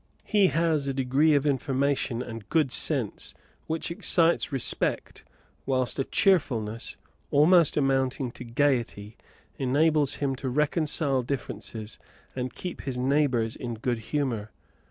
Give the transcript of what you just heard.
He has a degree of information and good sense which excites respect, whilst a cheerfulness, almost amounting to gaiety, enables him to reconcile differences and keep his neighbours in good humour.